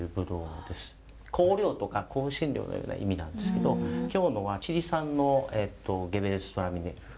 香料とか香辛料のような意味なんですけど今日のはチリ産のゲヴュルツトラミネール。